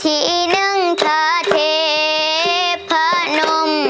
อีกหนึ่งชาเทพนม